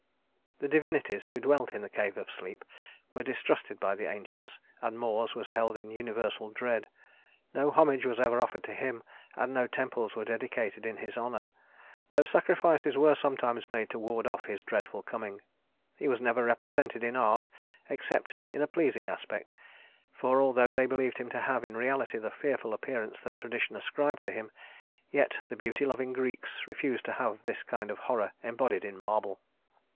The divinities who dwelt in the Cave of Sleep were distrusted by the ancients, and Mors was held in universal dread. No homage was ever offered to him, and no temples were dedicated in his honor; though sacrifices were sometimes made to ward off his dreaded coming. He was never represented in art except in a pleasing aspect, for although they believed him to have in reality the fearful appearance that tradition ascribed to him, yet the beauty loving Greeks refused to have this kind of horror embodied in marble.